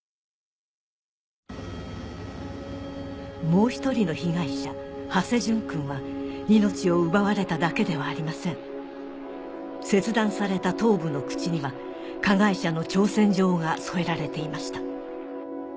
もう１人の被害者土師淳君は命を奪われただけではありません切断された頭部の口には加害者の挑戦状が添えられていました